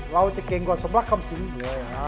เราจะเก่งกว่าสำหรับคำสินหัว